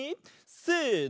せの！